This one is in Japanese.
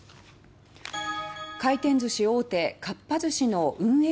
回転ずし大手かっぱ寿司の運営